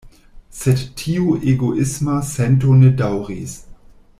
Sed tiu egoisma sento ne daŭris.